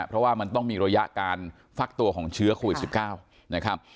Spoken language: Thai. เพราะว่ามันต้องมีระยะการฟักตัวของเชื้อโควิด๑๙นะครับ